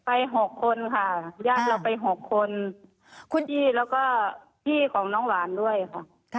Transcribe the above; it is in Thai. ๖คนค่ะญาติเราไป๖คนคุณอีแล้วก็พี่ของน้องหวานด้วยค่ะ